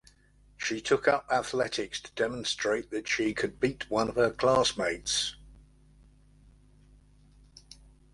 She took up athletics to demonstrate that she could beat one of her classmates.